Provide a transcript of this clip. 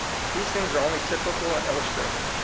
These things are only typical and illus trative.